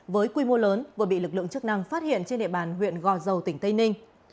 với quy mô lớn vừa bị lực lượng chức năng phát hiện trên địa bàn huyện gò dầu tỉnh tây ninh